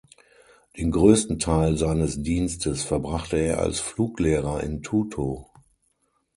Den größten Teil seines Dienstes verbrachte er als Fluglehrer in Tutow.